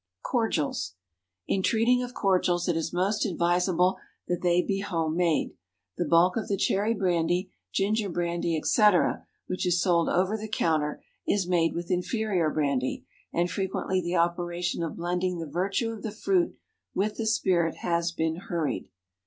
Cordials. In treating of cordials, it is most advisable that they be home made. The bulk of the cherry brandy, ginger brandy, etc., which is sold over the counter is made with inferior brandy; and frequently the operation of blending the virtue of the fruit with the spirit has been hurried.